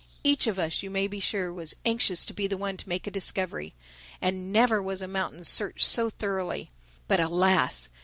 Each of us, you may be sure, was anxious to be the one to make a discovery. And never was a mountain searched so thoroughly. But alas!